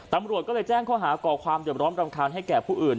ตำรวจก็เลยแจ้งข้อหาก่อความเดือบร้อนรำคาญให้แก่ผู้อื่น